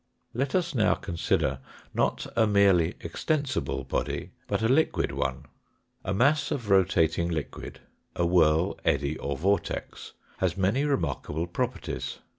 Let us now consider, not a merely extensible body, but a liquid one. A mass of rotating liquid, a whirl, eddy, or vortex, has many remarkable properties.